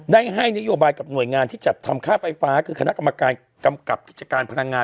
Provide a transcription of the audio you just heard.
ได้ให้นโยบายกับหน่วยงานที่จัดทำค่าไฟฟ้าคือคณะกรรมการกำกับกิจการพลังงาน